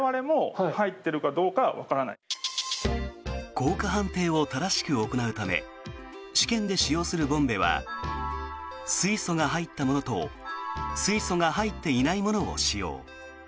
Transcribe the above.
効果判定を正しく行うため試験で使用するボンベは水素が入ったものと水素が入っていないものを使用。